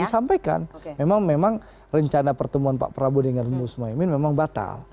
disampaikan memang rencana pertemuan pak prabowo dengan gus mohaimin memang batal